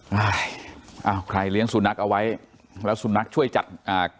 อ่าอ้าวใครเลี้ยงสุนัขเอาไว้แล้วสุนัขช่วยจัดอ่า